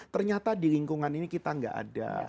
ternyata di lingkungan ini kita nggak ada